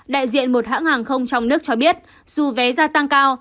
đại diện một hãng hàng không trong nước cho biết dù vé gia tăng cao